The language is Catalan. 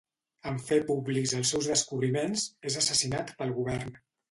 En fer públics els seus descobriments, és assassinat pel govern.